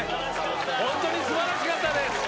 本当にすばらしかったです。